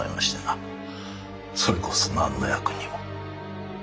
それこそ何の役にも。